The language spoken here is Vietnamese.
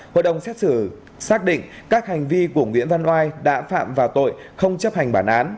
hội đồng xét xử xác định các hành vi của nguyễn văn oai đã phạm vào tội không chấp hành bản án